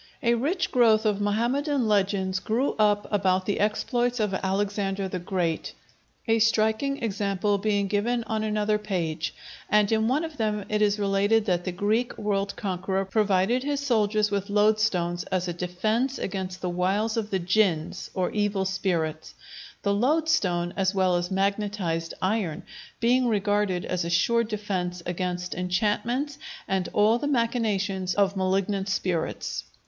A rich growth of Mohammedan legends grew up about the exploits of Alexander the Great, a striking example being given on another page, and in one of them it is related that the Greek world conqueror provided his soldiers with loadstones as a defence against the wiles of the jinns, or evil spirits; the loadstone, as well as magnetized iron, being regarded as a sure defence against enchantments and all the machinations of malignant spirits.